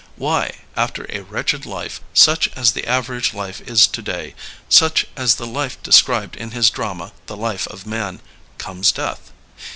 Why, after a wretched life, such as the average life is today, such as the life described in his drama The Life of Man, comes death?